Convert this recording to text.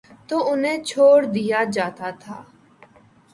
تو انہیں چھوڑ دیا جاتا تھا۔